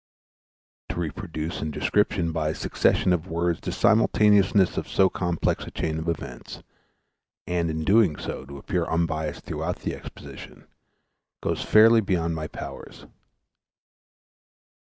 To reproduce in description by a succession of words the simultaneousness of so complex a chain of events, and in doing so to appear unbiassed throughout the exposition, goes fairly beyond my powers.